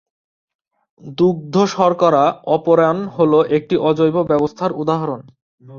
দুগ্ধশর্করা operon হল একটি অজৈব ব্যবস্থার উদাহরণ।